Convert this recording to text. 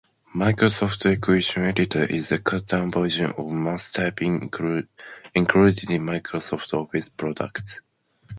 Microsoft Equation Editor is a cut-down version of MathType included in Microsoft Office products.